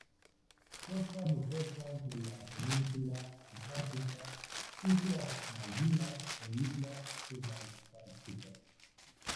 Costas rocosas de la Península Antártica, islas Malvinas e islas subantárticas.